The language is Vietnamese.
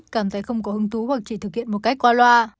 cảm thấy không có hứng thú hoặc chỉ thực hiện một cách qua loa